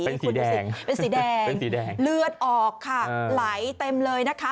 เป็นสีแดงเป็นสีแดงเป็นสีแดงเลือดออกค่ะไหลเต็มเลยนะคะ